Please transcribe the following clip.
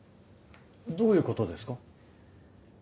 どういうことですか？